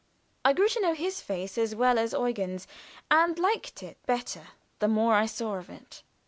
I grew to know his face as well as Eugen's, and to like it better the more I saw of it.